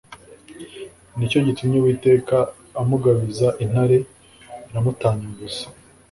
Ni cyo gitumye Uwiteka amugabiza intare iramutanyagura